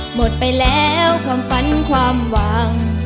หมดไปแล้วความฝันความหวัง